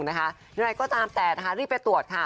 อย่างไรก็ตามแต่รีบไปตรวจค่ะ